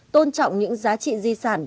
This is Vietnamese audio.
tôn trọng những giá trị di sản